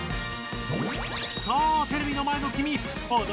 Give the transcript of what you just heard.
さあテレビの前のきみ！